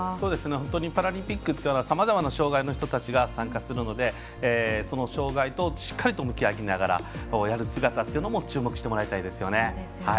パラリンピックはさまざまな障がいの人が参加するのでその障がいと、しっかり向き合いながらやる姿も注目してもらいたいですね。